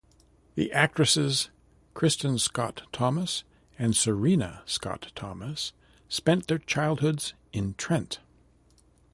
The actresses Kristin Scott Thomas and Serena Scott Thomas spent their childhoods in Trent.